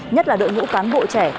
nhất là đội nhũ cán bộ trẻ